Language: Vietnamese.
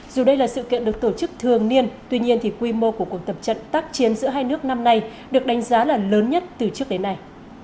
dù đây là sự kiện được tổ chức thường niên tuy nhiên thì quy mô của cuộc tập trận tác chiến giữa hai nước năm nay được đánh giá là lớn nhất từ trước đến nay